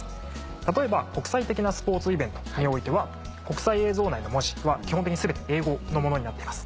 例えば国際的なスポーツイベントにおいては国際映像内の文字は基本的に全て英語のものになっています。